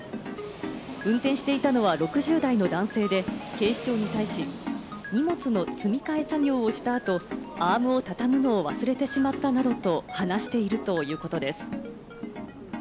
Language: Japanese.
運転していたのは６０代の男性で、警視庁に対し、荷物の積み替え作業をした後、アームをたたむのを忘れてしまったなどと話しているということです。